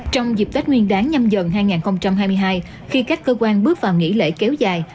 trong dịp tết nguyên đáng nhâm dần hai nghìn hai mươi hai khi các cơ quan bước vào nghỉ lễ kéo dài